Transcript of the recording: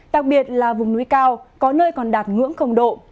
đặc biệt là vùng núi cao có nơi còn đạt ngưỡng độ